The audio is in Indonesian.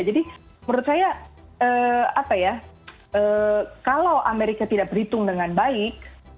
jadi menurut saya apa ya kalau amerika tidak berhitung dengan baik